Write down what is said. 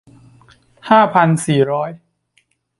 ห้าพันสี่ร้อย